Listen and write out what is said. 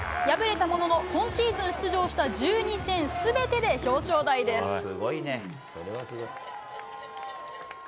敗れたものの今シーズン出場した１２戦全てで表彰台です。